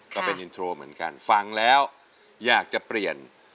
ก็เป็นอินโทรเหมือนกันฟังแล้วอยากจะเปลี่ยน